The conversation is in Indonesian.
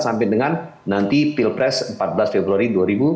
sampai dengan nanti pilpres empat belas februari dua ribu dua puluh